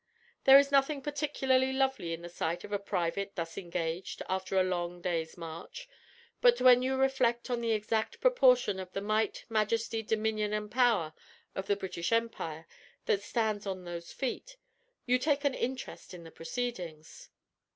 There is nothing particularly lovely in the sight of a private thus engaged after a long day's march, but when you reflect on the exact proportion of the "might, majesty, dominion, and power" of the British Empire that stands on those feet, you take an interest in the proceedings.